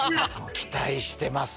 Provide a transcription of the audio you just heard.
期待してます